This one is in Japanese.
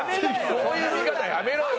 そういう見方やめろよ！